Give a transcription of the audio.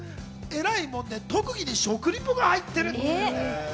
えらいもので特技に食リポが入ってます。